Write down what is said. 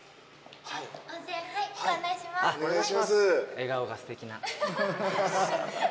笑顔がすてきな。